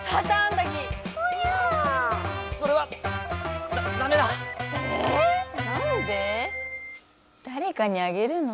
だれかにあげるの？